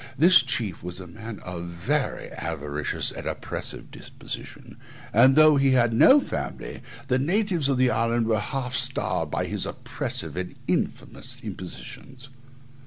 This chief was a man of a very avaricious and oppressive disposition, and though he had no family, the natives of the island were half starved by his oppressive and infamous impositions.